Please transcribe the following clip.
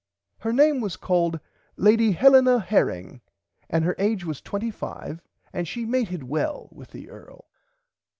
Her name was called Lady Helena Herring and her age was 25 and she mated well with the earl.